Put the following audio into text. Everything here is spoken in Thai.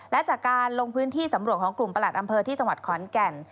และจากการลงพื้นที่สำรวจของกลุ่มประหลัดอำเภอที่จังหวัดขอนแก่น